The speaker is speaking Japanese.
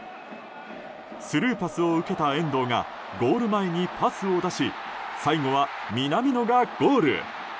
スルーパスを受けた遠藤がゴール前にパスを出し最後は南野がゴール！